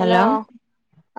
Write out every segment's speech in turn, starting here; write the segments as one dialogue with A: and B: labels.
A: Hello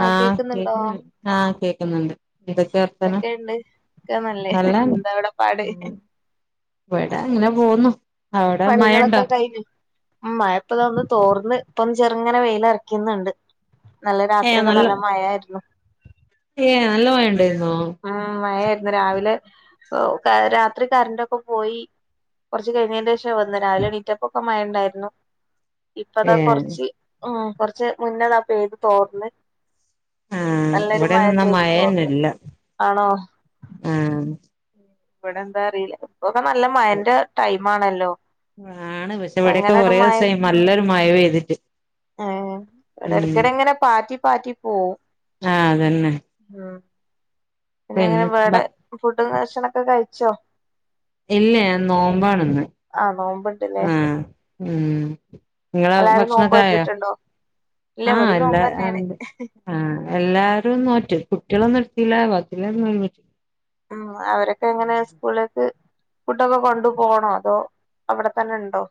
B: ആ
A: ആഹ്
B: കേക്കുന്നുണ്ടോ
A: കേക്കുന്നി ആഹ് കേക്കുന്നുണ്ട് എന്തയ്ക്കർത്താനം
B: എന്തൊക്കെയുണ്ട് ഒക്കെ നല്ലേ
A: നല്ലാണ്
B: എന്താ അവിടെ പാട്
A: ഉം വിടെങ്ങനെപോന്നു അവിടെ മയണ്ടോ
B: മയപ്പതാന്ന് തോർന്ന് ഇപ്പം ചെറുങ്ങനെ വെയിലറയ്ക്കുന്നുണ്ട് ഇന്നലെ രാത്രിയൊക്കെ നല്ല മഴായിരുന്നു
A: ഏഹ് നല്ല മയണ്ടായിന്നോ
B: ഉം മയായിരുന്നു രാവിലെ രാത്രി കറന്റൊക്കെ പോയി കൊറച്ച് കയിഞ്ഞെൻ്റെഷം വന്ന് രാവിലെ ണീറ്റപ്പൊക്കെ മഴണ്ടായിരുന്നു ഇപ്പതാ
A: ഏഹ്
B: കൊറച്ച് ഉം കൊറച്ച് മുന്നേതാ പെയ്ത് തോർന്ന്
A: ആഹ്
B: നല്ലൊരു മഴ
A: ഇവിടെന്നും ന്നാ
B: പെയ്ത് തോർന്ന് ആണോ
A: ഉം
B: ഇവിടെന്താറിയില്ല ഇപ്പൊക്കെ നല്ല മയന്റെ ടൈമാണല്ലോ
A: ആണ് പഷേ ഇവിടെയൊക്കെ കൊറേ സായി നല്ലൊരു മയ പെയ്തിട്ട്
B: ഏഹ് വിടെ
A: ഉം
B: എടക്കെടങ്ങനെ പാറ്റി പാറ്റി പോവും
A: ആഹ് അതന്നെ
B: ഉം
A: പിന്നെ ഭ
B: പിന്നെങ്ങനെവേടെ ഫുഡും ഭക്ഷണോക്കേ കഴിച്ചോ?
A: ഇല്ല ഞാ നോമ്പാണ്‌ന്ന്
B: ആഹ് നോമ്പ്ണ്ടല്ലേ
A: ആഹ് ഉം ങ്ങളാ
B: എല്ലാരും നോമ്പ്
A: ഭക്ഷണക്കെ ആയോ
B: നോറ്റിട്ടുണ്ടോ ഇല്ല
A: ആഹ്
B: ഇവിടേം
A: എല്ലാ ആഹ്
B: നോമ്പന്നെയാണ്
A: ണ്ട് ആഹ് എല്ലാരും നോറ്റ് കുട്ടികളൊന്നും എടുത്തില്ല ബാക്കിള്ള മുയിമിച്ചു
B: ഉം അവരൊക്കെങ്ങനെ സ്കൂൾലേക്ക് ഫുഡോക്കെ കൊണ്ടു പോണോ അതോ അവിടെത്തന്നെണ്ടോ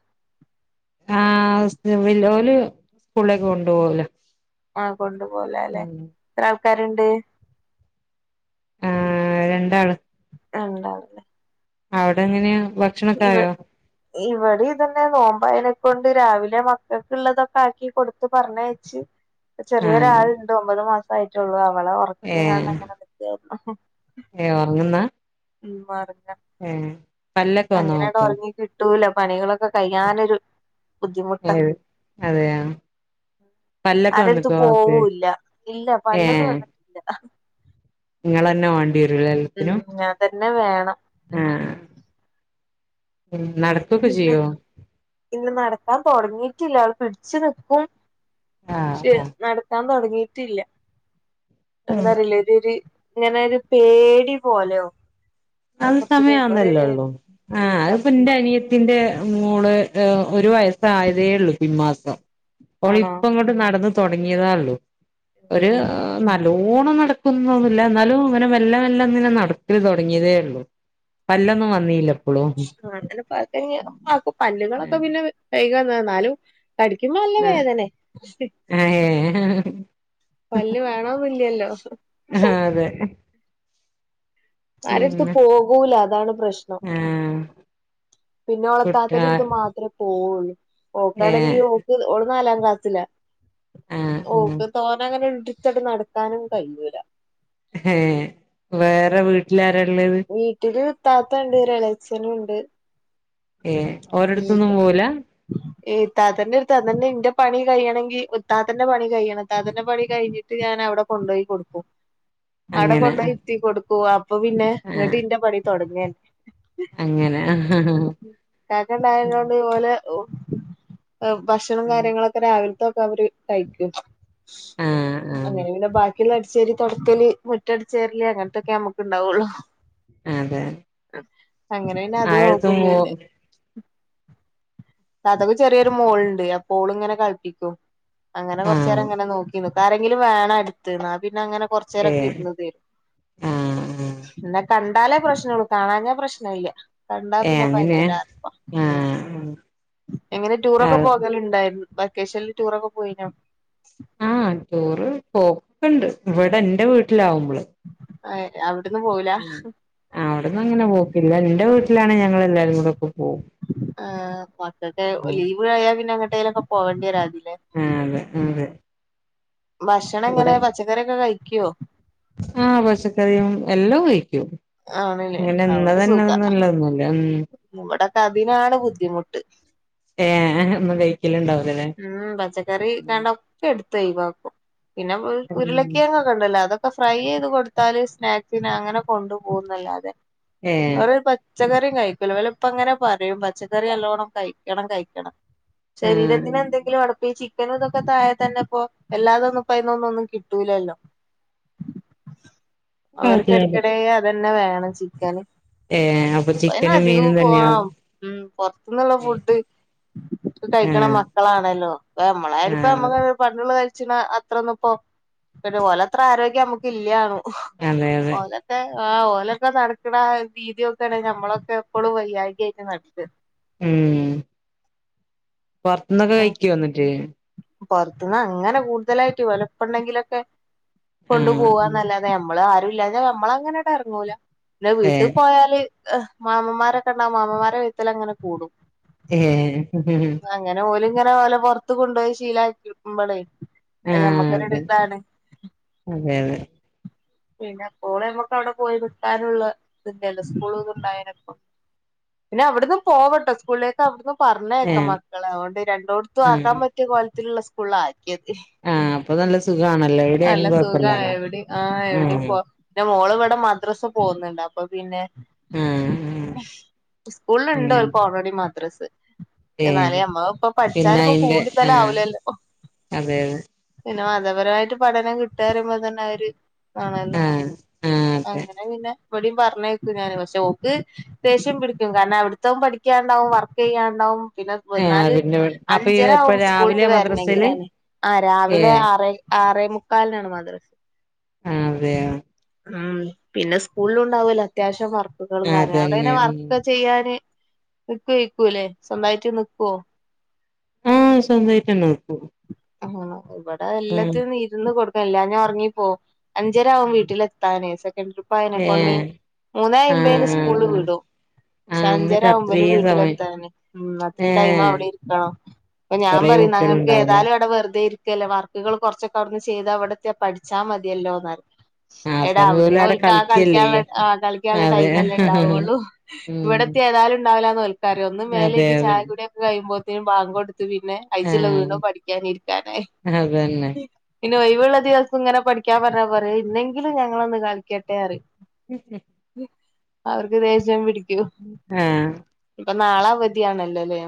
A: ആഹ് വ്സതോല്ലോല് സ്കൂൾലേക്ക് കൊണ്ടു പോകലാ
B: ആഹ് കൊണ്ട്പോലാലെ എത്ര ആൾക്കാരുണ്ട്
A: ആഹ് രണ്ടാള്
B: രണ്ടാളെല്ലെ
A: അവിടെങ്ങനെയ വ
B: ഇവടെ, ഇവിടെ ഇതന്നെ- നോമ്പായനെക്കൊണ്ട് രാവിലെ മക്കൾക്കുള്ളതൊക്കെ ആക്കി കൊടുത്ത പറഞ്ഞക്കും. ച്.
A: ആഹ്
B: ചെറിയൊരാളുണ്ട് ഒമ്പത് മാസം ആയിട്ടള്ളൂ. അവളെ ഉറക്കിയ കണ്ടങ്ങനെ നിക്കായിരുന്നു.
A: ഏ ഉറങ്ങുന്ന?
B: ഉമാരുങ്ങ.
A: ഏ പല്ലൊക്കെ വന്നോക്ക്?
B: കിട്ടൂല പണികളൊക്കെ കഴ്യാനൊരു ബുദ്ധിമുട്ടാ.
A: ഏഹ് അതെയോ പല്ലൊക്കെ
B: ആരടുത്ത്
A: വന്നിക്കോ മോക്ക്
B: പോവൂല്ല, ഇല്ല പലോന്ന് വന്നിട്ടില്ല.
A: ങ്ങളെന്നെ വേണ്ടി വരും.
B: ഉം ഞാൻ തന്നെ വേണം.
A: ആഹ്. ഉ നട-
B: പിന്നെ ഇന്ന നടക്കാൻ തുടങ്ങിട്ടില്ല, അവൾ പിടിച്ചു നിക്കും. പക്ഷെ
A: ആഹ്
B: നടക്കാൻ തുടങ്ങിട്ടില്ല,
A: ആഹ്
B: എന്താറിയില്ല ഇതരു- ങ്ങനെ ഒരു പേടി പോലോവും.
A: അത് സമയം ആന്നല്ലേ ഉള്ളൂ,
B: ഉം
A: ആഹ് അത്പ്പന്റെ
B: സമയാവും
A: അനിയ- ന്റെ മോള് ഒരു വയസായതേ ഉള്ളു പിൻമാസം അപ്പോ
B: ആണോ
A: ഇപ്പ ഇങ്ങ- നടന്ന്ന് തുടങ്ങിയതാ ള്ളൂ.
B: ഉം
A: ല്ലോണം നടക്കുന്നൊന്നുമില്ല എന്നാലും അങ്ങനെ മെല്ല വെല്ല- ഇങ്ങനെ നടക്കൽ തുടങ്ങിയതേയൊള്ളൂ. പല്ലൊന്നും വന്നീല്ല.
B: ആ അ പക്ക പല്ലുകളൊക്കെ പിന്നെ വൈകന്ന് എന്നാലും, കടിക്കുമ്പ നല്ല
A: ആഹ്
B: വേതനെ.
A: ഏഹ്
B: പല്ല് വേണ ഇല്ലല്ലോ.
A: ആഹ് അതെ.
B: ആരടുത്ത്
A: പിന്നെ
B: പോകൂല അതാണ് പ്രശ്നം.
A: ആഹ്
B: പിന്നെ
A: കുട്ട
B: ളർത്താത്ത ഇത് മാത്രമേ പോവുള്ളൂ
A: ഏഹ്
B: പോക്കാണെങ്കി ഓക്ക് ഒ നാലാം ക്ലാസ്സില-
A: ആഹ് ആഹ്
B: ഓക്ക തോന അങ്ങനെ ഇടിച്ചടി നടത്താനും കഴിയൂല.
A: ഏഹ് വേറെ വീട്ടിലാര?
B: വീട്ടില് ത്താത്തണ്ട് ഒരാളേച്ഛന് ണ്ട്.
A: ഏ ഓരിടുത്തൊന്നും പോവുല.
B: [inaudible] ഇത്തത്താ തന്റെ, ഒരുത്താന്നെന്റെ, പണി കഴിയണെങ്കിൽ ഉത്താത്തന്റെ- പണി കഴിയണംത്താ തൻന്റെ പണി കഴിഞ്ഞ്- ഞാൻ അവിടെ കൊണ്ടോയി കൊടുക്കു. അവിടെ കൊണ്ട
A: അങ്ങനെ
B: ഹിത്തി- കൊടുക്കുവ അപ്പൊ പിന്നെ
A: ആഹ്
B: ഇങ്ങിട്ട് ഇന്റെ പടി തുടങ്ങിയ-
A: അങ്ങനെ ഹാ ഹാ ഹാ.
B: കക്കണ്ടായതോണ്ട് ഇതുപോലെ- ഭക്ഷണം കാര്യങ്ങളൊക്കെ- രാവിലത്തൊക്കെ അവര്- കയ്ക്കും
A: ആഹ് ആഹ്
B: അങ്ങനെങ്ങെ ബാക്കിയുള്ള- ചൊരി തുടക്കല് മുറ്റടിച്ചേരല് അങ്ങനത്തെൊക്കെ ഞമ്മക് ണ്ടാവുള്ളു.
A: അതെ.
B: അങ്ങനെന്നെ അത്
A: ആഴത്തും
B: നോക്കും
A: പോ
B: പിന്ന. താത്താക്ക് ചെറിയൊരു മോൾണ്ട്, അപ്പോളിങ്ങനെ കളിപ്പിക്കും. അങ്ങനെ കൊറച്ച
A: ആഹ്
B: നേരങ്ങനെ- നോക്കി നിക്ക ആരെങ്കിലും വേണം എടുത്ത്, ന്നാ പിന്നെ അങ്ങനെ. കൊറ- ചേരൊക്കെ
A: ഏഹ്
B: ഇരുന്ന് തീരും.
A: ആഹ് ആഹ്
B: ന്ന കണ്ടാലേ പ്രശ്നോള്ളു- കാണാഞ്ഞാ പ്രശ്ന ഇല്ല കണ്ടാ-
A: ഏഹ്
B: പിന്നെ
A: അങ്ങനെ
B: ഭയങ്കര-
A: ആഹ്
B: എങ്ങനെ ടൂറൊക്കെ
A: ആഹ്
B: പോകല ഉണ്ടായിരുന്നോ? വെക്കേഷനിൽ ടൂറൊക്കെ പോയിനോ?
A: ആഹ് റ്റുറ് പോക്കൊക്കണ്ട് ഇവിടെ എന്റെ വീട്ടിലാവുമ്പള്.
B: ഏഹ് അവിടന്ന് പോവുല?
A: അവിടന്നങ്ങനെ പോക്കില്ല ഇന്റെ വീട്ടിലാണേ ഞങ്ങളെല്ലാരും കൂടൊക്കെ പോവും.
B: ആഹ് മക്കൾക്കെ
A: ഉം
B: ലീവ് ആയ പിന്നെ എങ്ങട്ടേലൊക്കെ പോകണ്ടി വരാറില്ലേ?
A: ആതെ അതെ. ഇവിടെ
B: ഭഷണങ്ങനെ പച്ചക്കറിക്കെ കഴിക്കോ?
A: ആഹ് പച്ചക്കറിയും എല്ലോം കഴിക്കും.
B: ആണല്ലേ
A: ഇങ്ങനെ ഇന്നതെന്നൊന്നുല്ല ന്നുല്ല ഉം
B: ഇവടക്ക അതിനാണ് ബുദ്ധിമുട്ട്.
A: ഏഹ് അങ്ങനെ ഒന്നും കഴി
B: ഉം പച്ചക്കറി കണ്ടൊക്കെടുത്തൊയ് വാക്കും പിന്നെ ഉര്
A: ഉം
B: ഉരുളകിഴങ്ങ് ക്കൊണ്ടല്ലോ അതൊക്കെ ഫ്രൈ യ്ത് കൊടുത്താല് സ്നാകിന അങ്ങന കൊണ്ടു പോകുന്നല്ലാതെ
A: ഏ
B: [unintelligible] ചെലരും കഴിക്കൂല ഇവലുപ്പങ്ങനെ പറയും പച്ചക്കറി നല്ലോണം കഴിക്കണം കഴിക്കണം.
A: ആ
B: ശരീരത്തിന് എന്തെങ്കിലും അടപ്പീ ചി ക്കനുതൊക്കെ താഴെ തന്നെപ്പൊ എല്ലാതൊന്നുപ്പയ്നൊന്നുന്നും കിട്ടൂല്ലല്ലോ.
A: അതെ അതെ
B: അവർക്കെടക്കെടെ അതന്നെ വേണം ചിക്കന്.
A: ഏ അപ്പൊ
B: പ്പ
A: ചിക്കനും
B: അയ്നധികോം
A: മീനും
B: പോ
A: തന്നെയാണ്
B: ഉം പൊർത്ത്ന്ന്ള്ള ഫുഡ്
A: ആ
B: കഴിക്ക്ണ മക്കളാണല്ലോ
A: ആ അതെ
B: പ്പമ്മളായാലുപ്പമ്മള് [unintelligible] കഴിച്ചിന അത്രന്നുപ്പോ ഓലത്ര ആരോഗ്യം അമക്കില്ല്യാണു.
A: അതെ അതെ
B: ഓല ത്തെ ആഹ് ഓലക്കെ നടക്ക്ണ രീതിയൊക്കെണ് ഞമ്മളൊക്കെ ഇപ്പളും വയ്യായ്ക്കെയാട്ട് നട്ക്ക.
A: ഉം പൊർത്ത്ന്നക്കെ കഴിക്കോന്നിട്ട്?
B: പൊർത്തന്നങ്ങനെ കൂടുതലായിട്ട് ഇവല്പ്പണ്ടെങ്കിലൊക്കെ
A: ആ
B: കൊണ്ടുപൂവാന്നല്ലാ ന്നെ അമ്മള് ആരുല്ലാഞ്ഞെ അമ്മള അങ്ങനെ എറങ്ങൂല പിന്നെ
A: ഏ
B: വീട്ട് പോയാല് മാമംമാരക്കെണ്ടാവും മാമൻമാരെ വെയ്ത്തലങ്ങനെ കൂടും.
A: ഏഹ്.
B: അങ്ങനെ ഓല്ങ്ങനെ ഓലെ പൊർത്ത് കൊണ്ടോയി ശീലയ്ക്കുമ്പളേ
A: ആ
B: അയ്
A: അതെ
B: യമ്മക്കൊരുതാണ്.
A: അതെ അതെ.
B: പിന്നെ അപ്പോള മ്മക്കവിടെ പോയി നിക്കാനുള്ള ഇത് ല്ലല്ലോ സ്കൂളോന്നും ണ്ടായനപ്പം. പിന്നെ അവ്ട്ന്നും പോവട്ടോ സ്കൂളീലേ അവ്ട്ന്നും
A: ഏ
B: പർഞ്ഞേയ്ക്കാം മക്കളെ അഓണ്ട് രണ്ടോട്ത്തും
A: ആ
B: ആക്കാൻ പറ്റിയ കോലത്തിലുള്ള സ്കൂള്ലാക്കിയത്.
A: ആഹ് അപ്പ നല്ല സുഖാണല്ലോ എവിടെയാലും കൊഴപ്പല്ലാല്ലോ ഉം.
B: ന്റെ മോള് വടെ മദ്രസ് പോക്ന്നുണ്ട് അപ്പ പിന്നെ
A: ആ
B: സ്കൂളില്ണ്ട്
A: അങ്ങനെ
B: ഓൾ റെഡി മദ്രസ്
A: ഏ
B: എന്നാലേ അമ്മള് പ്പം
A: പിന്നെ
B: പഠിച്ചാല് ഇപ്പ
A: അയിന്റെ ആ
B: കൂടുതലാവുലല്ലോ പ്പം.
A: അതെ അതെ
B: പിന്നെ മതപരമായിട്ട് പഠനം കിട്ടാറിയുമ്പോ തന്നെ ഒര് ണല്ലോ
A: ആ ആ അതെ
B: അങ്ങനെ പിന്നെ ഇവടേം പർഞ്ഞേക്ക് ഞാന് പക്ഷെ ഓക്ക് ദേഷ്യം പിടിക്കും കാരണം അവിടത്തം പഠിക്കാണ്ടാവും വർക്കെയ്യാണ്ടാവും പിന്ന
A: ആഹ്
B: വന്നാല്
A: പിന്നെ അപ്പൊ ഇപ്പൊ
B: അഞ്ചരാവും സ്കൂൾട്ട്
A: രാവിലെ മദ്രസയില്
B: വെർണങ്കിലന്നെ ആഹ്
A: ഏ
B: രാവിലെ ആറേ ആറേ മുക്കാൽനാണ് മദ്രസ്.
A: അതെയ
B: ഉം പിന്നെ സ്കൂളിലുണ്ടാവല്ലോ അത്യാവിശ്യം വർ ക്കുകളും കാര്യങ്ങൾ [unintelligible] അഒടെയ്ന്
A: അതന്നെ ഉം
B: വർക്ക് ചെയ്യാന് നിക്കുവയ്ക്കൂലേ സ്വന്തായിട്ട് നിക്കോ?
A: ഉം സ്വന്തായിട്ട് നിക്കും.
B: ആണോ ഇവടെ എല്ലത്തിനും ഇരുന്ന് കൊടുക്കണം എല്ലാഞ്ഞ ഒർങ്ങിപ്പോവും അഞ്ചരാവും വീട്ടിലെ ത്താണ് സെക്കൻഡ് ട്രിപ്പായേനെ
A: ഏ
B: കൊണ്ട് മൂന്നേ
A: ആഹ്
B: അയ്മ്പേന്
A: ആഹ്
B: സ്കൂള്
A: ആഹ്
B: വിടും.
A: ആഹ്
B: ഷഞ്ചര
A: എന്നിട്ട്
B: ആവുമ്പല്
A: അത്രയും സമയം
B: വീട്ടിലെത്താൻ ഉം അത്ര
A: ഏ
B: ടൈമവിടെ ഇരിക്കണം. പ്പ ഞാൻ
A: കൊറേ
B: പറിം
A: കുട്ടികൾ
B: ന്നങ്ങൾക്ക്
A: ഉണ്ടാവൂലേ
B: ഏതാലും വടെ വെർതെ ഇരിക്കല്ലേ വർക്ക്കൾ കൊർച്ചൊക്കെ വ്ട്ന്ന് ചെയ്തവടെത്തിയാൽ പഠിച്ചാ മതിയല്ലോന്നായി.
A: ആ
B: എടാ
A: സമയം ഓല്
B: അവ്ട്ന്ന്
A: അവിടെ
B: ഓൽക്ക ആഹ്
A: കളിക്കല്ലേ
B: കളിക്കാനുള്ള ആഹ് കളിക്കാൻള്ള
A: അതെ
B: ടൈമല്ലേണ്ടാവുള്ളു.
A: ഉം
B: ഇവടെത്തിയ ഏതാലുണ്ടാവില്ലാന്ന് ഓൽ കറി ഒന്നും
A: അതെ
B: മേലൈകി
A: അതെ
B: ചായ കുടിയക്കെ കഴുമ്പോഴ്ത്തേനും ബാങ്ക് കൊട്ത്ത് പിന്നെ
A: ആഹ്
B: ക്കാനിരിക്കാനേ
A: അതന്നെ
B: പിന്നെ ഒയിവുള്ള ദിവസങ്ങനെ പഠിക്കാൻ പറഞ്ഞ പറയും ഇന്നെങ്കിലും ഞങ്ങളന്ന് കളിക്കട്ടെ റയും
A: [inaudible]
B: അവർക്ക് ദേശ്യം പിടിക്കും
A: ആഹ്
B: പ്പ നാളവധിയാണല്ലോല്ലേ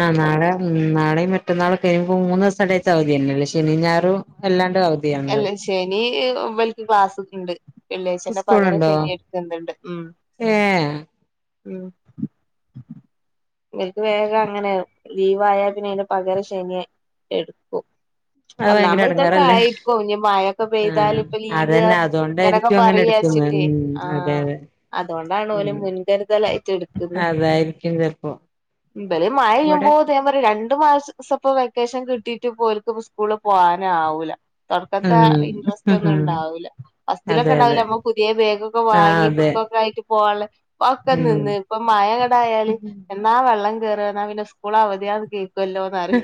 A: ആ നാളെ ഉം നാളെ മറ്റന്നാള് കഴിയുമ്പ മൂന്ന് ദിവസത്തെ ഡേത്താവില്ലേ ശനീ ഞ്ഞാറും അല്ലാണ്ടാവ്
B: എല്ല ശനീ ഇവൽക്ക് ക്ലാസ്ക്കെണ്ട് പിള്ളേച്ചന്റെ പകരം
A: സ്കൂളുണ്ടോ
B: ശരിയാക്കിത്ത ന്നിണ്ട് ഉ
A: ഏഹ്
B: [inaudible] നിക്ക് വേഗം അങ്ങനെയ ലീവായാ പിന്നെ അയിന്റെ പകരം ശനിയായ് എട്ക്കും
A: അത് ഭയങ്കര
B: ഒന്നാമതിതൊക്കെ
A: എടങ്ങേറല്ലേ
B: ആയിട്ട നി മഴൊക്കെ
A: ആഹ്
B: പെയ്താലിപ്പ ലീവ്
A: അതന്നെ
B: ഞാനൊക്കെ
A: അതുകൊണ്ടായിരിക്കും അങ്ങനെ എടുക്കുന്നെ
B: പറയച്ചിട്ടേ
A: ഉം
B: ആ
A: അതെ അതെ
B: അതോണ്ടാണോല്
A: ഉം
B: മുൻകരുതലായിട്ടെ ടുത്തത്
A: അതായിരിക്കും ചെലപ്പോ
B: ഇവിടേയും മഴ
A: ഇവിടെ
B: പെയ്യുംപൊത് ട്ടമ്പൊര് രണ്ടു മാസസപ്പു വെക്കേഷൻ കിട്ടിട്ട് പോര്ക്ക് പ്പൊ സ്കൂളിൽ പോവാനാവൂല തൊറ്ക്കത്തെ
A: ഉം
B: ഇൻട്രസ്റ്റൊന്നും ഇണ്ടാവൂല ഫസ്റ്റിലൊക്കെ
A: അതെ അതെ
B: ഉണ്ടാവില്ലേമ്മക്ക്‌ പുതിയ ബാഗൊക്കെ
A: ആഹ്
B: വാങ്ങി
A: അതെ
B: ബുക്കൊക്കെയായിട്ട് പൊവാളെ പ്പൊക്കെ
A: ഉം
B: നിന്ന് ഇപ്പ മയക് ടായാല് ന്നാ വെള്ളം കേറിനാ പിന്നെ സ്കൂൾ അവധിയാന്കേൾക്കല്ലോ റി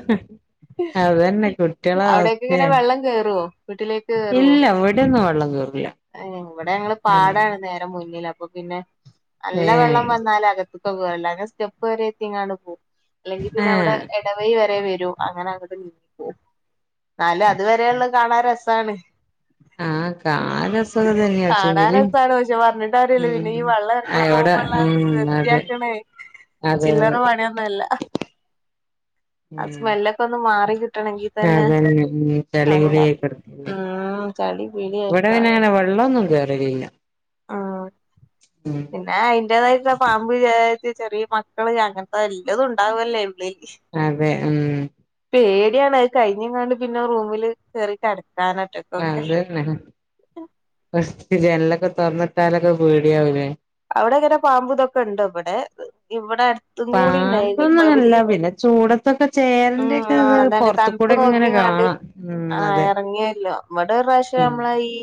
A: അതന്നെ കുട്ടികളെ
B: അവിടെക്കെങ്ങനെ
A: അവസ്ഥയാ
B: വെള്ളംകേറ് റോ വീട്ടിലേക്കേറുവോ
A: അതൊറപ്പില്ല
B: ആ ഇവിടങ്ങള് പാടാണ് നേരെ മുന്നില് അപ്പപ്പിന്നെ നല്ല
A: ഏഹ്
B: വെള്ളം വന്നാല് അകത്ത്പോവും അല്ലാതെ സ്റ്റെപ്പരെത്തിങ്ങാണ്പോവും അല്ലെങ്കിപിന്നെ അവിടെ
A: ഏഹ്
B: എ ഇടവയി വരെ വരുഅങ്ങനെ അങ്ങട് നീങ്ങിപോവും ന്നാലും അതുവരെള്ളത് കാണാരസാണ്
A: ആഹ് കാലാസുഖം തന്നെയാ പക്ഷെങ്കില്
B: കാണാരസാണ് പക്ഷെ പറഞ്ഞിട്ടാര്യല്ല പിന്നെ
A: ഉം
B: ഈ വള്ളം ഇറ ങ്ങി
A: അവിടെ
B: പോമ്പോള്ളത് വൃത്തിയാക്കണേ
A: അതെതെ
B: മെല്ല ആ സ്മെല്ലൊക്കെന്ന് മാറിക്കിട്ടണെങ്കി
A: ഞാൻ തന്നെ നിന്ന് വിളിച്ചാലേ വിളിയേക്കത്തൊ
B: ഉം ചളി
A: വിടെ
B: പിളിയായിരിക്കും ആകെ
A: പിന്നങ്ങനെ വെള്ളോന്നും കേറുകയില്ല [inaudible]
B: ആ യിന്റതായിട്ടുള്ള പാമ്പ് ചേരത്തി ചെറിയ മക്കള് ഞങ്ങക്ക് വല്ല്തും ഉണ്ടാവല്ലേള്ളിലേക്ക്
A: അതെ ഉം
B: പേടിയാണത് കഴിഞ്ഞങ്ങാണ്ട് പിന്നെ റൂമില് കറിക്കടക്കാനാട്ട്
A: ആ അതന്നെഫസ്റ്റ് ജനലൊക്കെ തൊറന്നിട്ടാലൊക്കെ പേടിയാവൂലേ
B: അവിടങ്ങനെ പാമ്പ്തൊക്കെ ഉണ്ട് വിടെ ഇവിടെ തും കൂടിണ്ടായിരുന്നു
A: പാമ്പൊന്നും
B: ഇപ്പൊവല്
A: അങ്ങനല്ല പിന്നെ ചൂടത്തൊക്കെ
B: ഉം
A: ചേരന്റെ ഒക്കെ
B: ആ
A: ഇത്
B: അതന്നെ
A: പുറത്ത്
B: തണുപ്പ്
A: കൂടെക്കെ ഇങ്ങനെ
B: നോക്കിയങ്ങാണ്ട്
A: കാണാം ഉം
B: ആ
A: അതെ
B: എറങ്ങിയല്ലോ ഇവിടൊറാശ്യം
A: ഉം
B: നമ്മള ഈ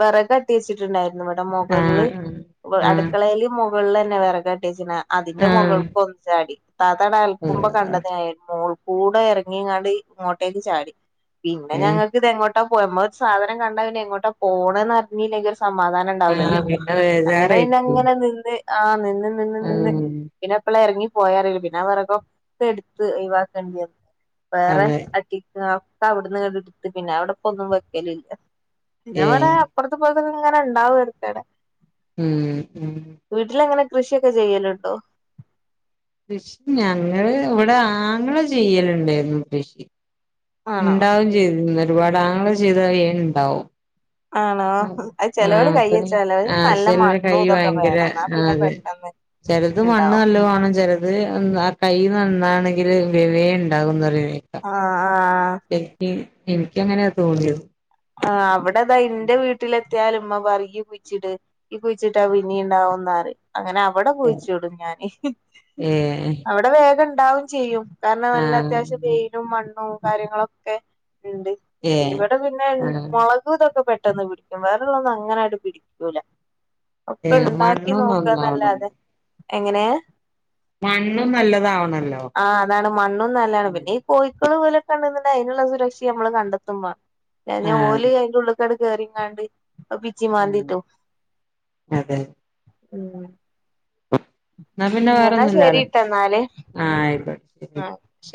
B: വെറകട്ടിച്ചിട്ടുണ്ടായിരുന്നുവിടെ മുകളില്
A: ആഹ്
B: വ് അടുക്ക
A: ആഹ്
B: ക്കളയില് മുകളില്ന്നെ വിറകെട്ടി വെച്ചേക്കണെ അതിന്റെ
A: ആഹ്
B: മുകൾക്ക്‌ വന്ന് ചാടി താത്തടൽക്കുമ്പ
A: ആഹ്
B: കണ്ടതിനായിരുന്നുൾ കൂടെ ഇറങ്ങിങ്ങാണ്ട് ഇങ്ങോട്ടേക്ക് ചാടി പിന്നെ
A: ഏഹ്
B: ഞങ്ങക്കിതെങ്ങോട്ട പോയ മ്മക്ക് ഒരു സാധനം കണ്ടാന്നെ എങ്ങോട്ടാ പോണന്ന് അറിഞ്ഞില്ലെങ്കി ഒരു സമാധാനം
A: ആഹ്
B: വുണ്ടാവുലല്ലോ
A: പിന്നെ
B: അങ്ങനെ യിന്നെ
A: ബേജാറായിരിക്കും
B: ങ്ങനെ നിന്ന് ആ നിന്ന് നിന്ന് നിന്ന്
A: ഉം
B: പിന്നപ്പളെറങ്ങി പോയാറില്ല പിന്നെ ആ വെറവൊക്കെടുത്ത് ഒയിവാക്കേണ്ടി വന്ന് വേറെ
A: അതെ
B: അട്ടിക്ക് ഒക്കെ അവിടന്ന് കണ്ടടുത്ത് പിന്നെ അവിടെപ്പ ഒന്നും വെക്കലല്ല പിന്നെവിടെ
A: ഏഹ്
B: അപ്പുറത്തും ഇ പുറത്തും ഇങ്ങനെ ഉണ്ടാവും വരുത്തടെ
A: ഉം ഉം
B: വീട്ടിലെങ്ങനെ കൃഷിയൊക്കെ ചെയ്യലുണ്ടോ
A: കൃഷി ഞങ്ങള് ഇവിടെ ആങ്ങള ചെയ്യലുണ്ടായിരുന്നു കൃഷി
B: ആണോ
A: ഉണ്ടാവും ചെയ്തു ഒരുപാട ആങ്ങള ചെയ്താൽ വെ ഉണ്ടാവും
B: ആണോ
A: ആഹ്
B: അത് ചെലോല്
A: അഹ്
B: കയ്യച്ചാ ചെലോല്
A: ആഹ്
B: നല്ല
A: ആയിഷറിയാം കൈ
B: മണ്ണും ഇതൊക്കെ
A: ഭയങ്കര
B: വേണം എന്നാ
A: ആഹ്
B: പിന്നെ
A: അതെ
B: പെട്ടെന്ന്
A: ചെലത് മണ്ണ്
B: ഇണ്ടാവും
A: നല്ല വേണം ചിലത് അത് ആഹ് കൈ നന്നാണെങ്കിൽ വെ വെ ഉണ്ടാകുന്ന്‌ പറീണ്‌ കേൾക്കാ
B: ആഹ് ആഹ്
A: എനിക്ക് എനിക്ക് എങ്ങനെയ തോന്നിയത്
B: ആഹ് അവിടെതാ എൻ്റെ വീട്ടിലെത്തിയാല് ഉമ്മ പറയും ഇയ്യ് കുഴിച്ച് ഇട് കുഴിച്ചിട്ടാ പിന്നിം ഉണ്ടാവും എന്ന് പറിം, അങ്ങനെ അവിടെ കുഴിച്ചിടും ഞാന്
A: ഏഹ്
B: അവിടെ വേഗം ഉണ്ടാവും ചെയ്യും കാരണം നല്ല അത്യാവശ്യം
A: ആഹ്
B: വെയിലും മണ്ണും കാര്യങ്ങളൊക്കെ ഉണ്ട്
A: ഏഹ് ആഹ്
B: മുളകും ഇതൊക്കെ പെട്ടെന്ന് പിടിക്കും വേറെള്ളത് അങ്ങനെയൊന്നും പിടിക്കൂല ഒക്കെ
A: ഏഹ്
B: ഉണ്ടാക്കി
A: മണ്ണും
B: നോക്കന്നല്ലാതെ
A: നന്നാവണല്ലോ
B: എങ്ങനെ
A: മണ്ണും നല്ലതാവണല്ലോ
B: ആഹ് അതാണ് മണ്ണും നല്ലതാണ് പിന്നെ ഈ കോഴക്കള് പോലെ അതിനുള്ള സുരക്ഷ നമ്മള് കണ്ടെത്തുമ്പാ
A: ആഹ്
B: ഓല്
A: അതെ
B: അതിന്റെ ഉള്ളകണ്ട് കയറീക്കാണ്ട് അപിച്ചി മാന്തി
A: ഉം
B: ഇട്ടു
A: അതെ
B: ഉം
A: എന്നാ പിന്നെ
B: എന്നാ
A: വേറോന്നുംല്ലല്ലേ
B: ശരിട്ട എന്നാല്
A: ആഹ് ആയിക്കോട്ടെ ശരി
B: ആഹ് ശരി